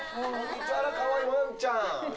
あら、かわいいワンちゃん。